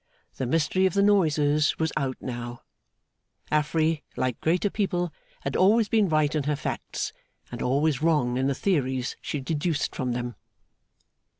The mystery of the noises was out now; Affery, like greater people, had always been right in her facts, and always wrong in the theories she deduced from them.